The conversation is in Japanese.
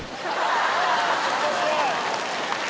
面白い！